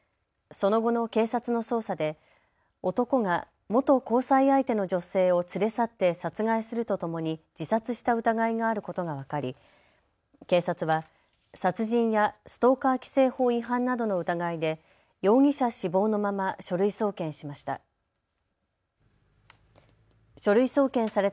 その後の警察の捜査で男が元交際相手の女性を連れ去って殺害するとともに自殺した疑いがあることが分かり、警察は殺人やストーカー規制法違反などの疑いで容疑者死亡のまま書類送検しました。